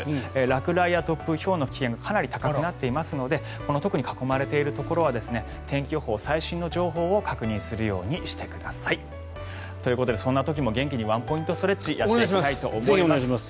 落雷や突風、ひょうの危険かなり高くなっていますので特に囲まれているところは天気予報、最新の情報を確認するようにしてください。ということで、そんな時も元気にワンポイントストレッチをやっていきたいと思います。